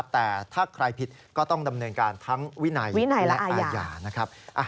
แต่ถ้าใครผิดก็ต้องดำเนินการทั้งวินัยและอาญานะครับ